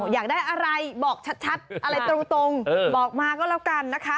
อยากได้อะไรบอกชัดอะไรตรงบอกมาก็แล้วกันนะคะ